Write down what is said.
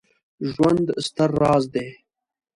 ژوند ستر راز دی